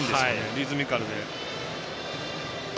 リズミカルで。